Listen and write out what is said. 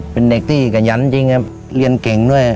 เป็นเด็กที่กระยันจริงเรียนเก่งด้วย